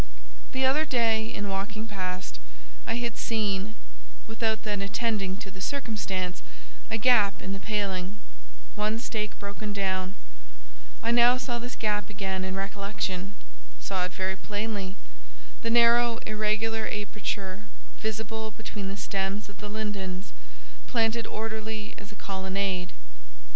The other day, in walking past, I had seen, without then attending to the circumstance, a gap in the paling—one stake broken down: I now saw this gap again in recollection—saw it very plainly—the narrow, irregular aperture visible between the stems of the lindens, planted orderly as a colonnade.